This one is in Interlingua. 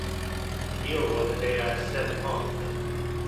Io volerea esser morte.